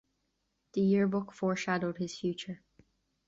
The yearbook foreshadowed his future.